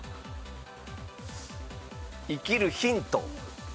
『生きるヒント』。